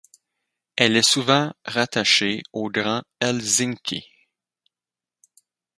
Elle est souvent rattachée au Grand Helsinki.